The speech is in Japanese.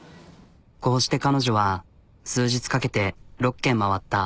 こうして彼女は数日かけて６軒回った。